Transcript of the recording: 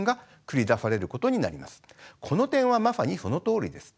この点はまさにそのとおりです。